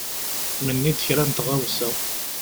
Menni-d kra n tɣawsa.